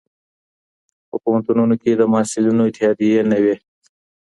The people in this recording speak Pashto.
په پوهنتونونو کي د محصلینو اتحادیې نه وي.